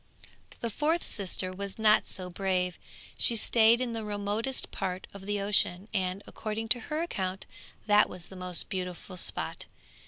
The fourth sister was not so brave; she stayed in the remotest part of the ocean, and, according to her account, that was the most beautiful spot.